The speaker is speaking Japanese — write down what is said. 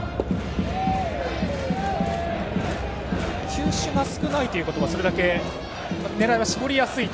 球種が少ないということはそれだけ狙いが絞りやすいと。